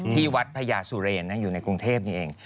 ที่วัดพญาสุเรนอยู่ในกรุงเทพนี่เอง